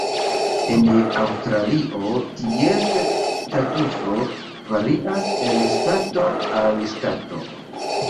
En Aŭstralio, ties statuso varias el ŝtato al ŝtato.